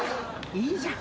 いいじゃん。